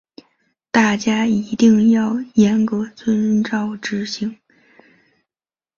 大家一定要严格遵照执行